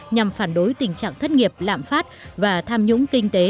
nhằm phản đối tình trạng thất nghiệp lạm phát và tham nhũng kinh tế